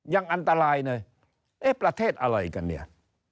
ยังอันตรายเลยเอ๊ะประเทศอะไรกันเนี่ย